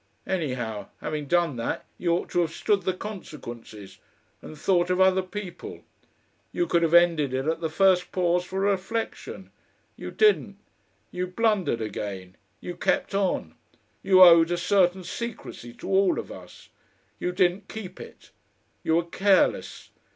Anyhow having done that, you ought to have stood the consequences and thought of other people. You could have ended it at the first pause for reflection. You didn't. You blundered again. You kept on. You owed a certain secrecy to all of us! You didn't keep it. You were careless.